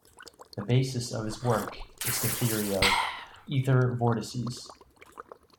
The basis of his work is the theory of "ether vortices".